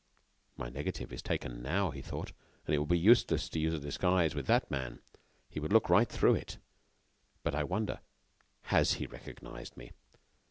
"My negative is taken now," he thought, "and it will be useless to use a disguise with that man. He would look right through it. But, I wonder, has he recognized me?"